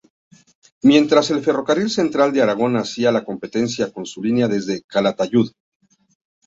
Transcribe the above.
Mientras, el Ferrocarril Central de Aragón hacía la competencia con su línea desde Calatayud.